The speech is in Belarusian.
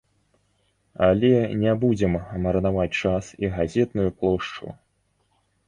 Але не будзем марнаваць час і газетную плошчу.